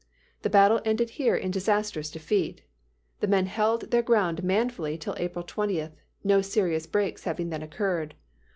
The battle ended here in disastrous defeat. The men held their ground manfully till April 20, no serious breaks having then occurred.